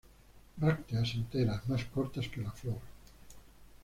Brácteas enteras, más cortas que la flor.